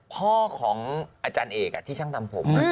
พ่อของอาจารย์เอกที่ช่างทำผม